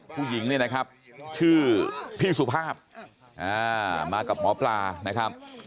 ผู้หญิงเนี่ยนะครับชื่อพี่สุภาพมากับหมอปลานะครับ